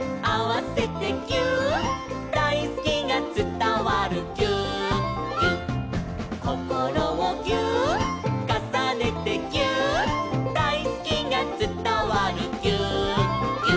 「あわせてぎゅーっ」「だいすきがつたわるぎゅーっぎゅっ」「こころをぎゅーっ」「かさねてぎゅーっ」「だいすきがつたわるぎゅーっぎゅっ」